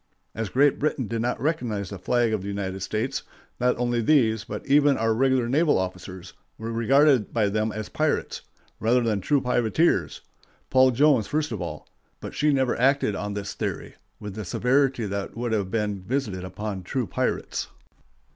As Great Britain did not recognize the flag of the United States, not only these, but even our regular naval officers, were regarded by them as pirates, rather than true privateers—Paul Jones first of all; but she never acted on this theory with the severity that would have been visited upon true pirates.